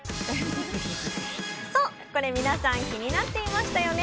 これ皆さん気になっていましたよね！